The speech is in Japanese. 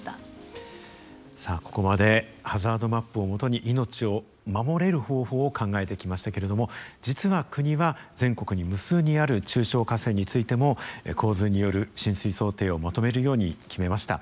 さあここまでハザードマップを基に命を守れる方法を考えてきましたけれども実は国は全国に無数にある中小河川についても洪水による浸水想定をまとめるように決めました。